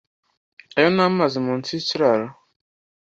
Ayo ni amazi munsi yikiraro